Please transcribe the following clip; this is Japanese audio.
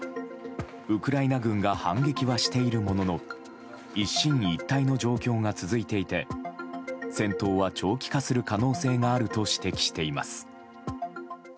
ウクライナ軍が反撃はしているものの一進一退の状況が続いていて戦闘は長期化する可能性があると指摘しています。